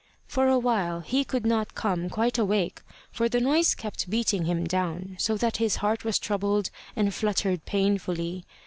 For a while he could not come quite awake, for the noise kept beating him down, so that his heart was troubled and fluttered painfully.